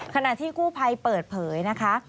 ขณะที่กู้ภัยเปิดเผยนะคะ